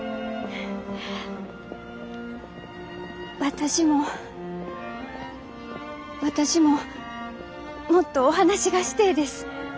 私も私ももっとお話がしてえです